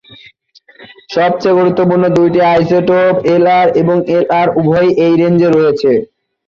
সবচেয়ে গুরুত্বপূর্ণ দুটি আইসোটোপ, এলআর এবং এলআর, উভয়ই এই রেঞ্জে রয়েছে।